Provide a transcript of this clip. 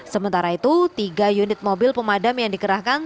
sementara itu tiga unit mobil pemadam yang dikerahkan